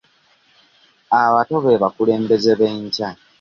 Abato be bakulembeze b'enkya .